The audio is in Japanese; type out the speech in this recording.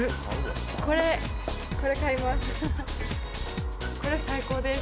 これ、これ、買います。